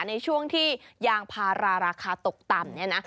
ในช่วงที่ยางพาราราคาตกต่ำ